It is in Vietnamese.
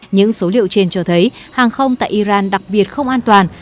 những số liệu trên cho thấy hàng không tại iran đặc biệt không an toàn